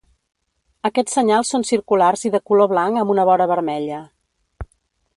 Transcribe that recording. Aquests senyals són circulars i de color blanc amb una vora vermella.